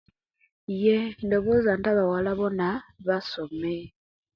Iyee ndoboza nti abawala bona basome